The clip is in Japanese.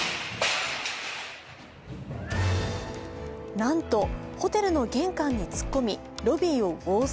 なんと、ホテルの玄関に突っ込み、ロビーを暴走。